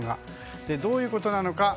どういうことなのか。